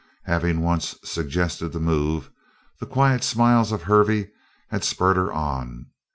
Having once suggested the move, the quiet smiles of Hervey had spurred her on.